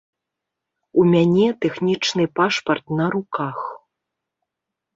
У мяне тэхнічны пашпарт на руках.